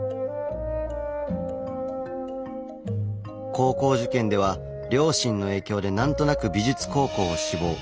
高校受験では両親の影響で何となく美術高校を志望。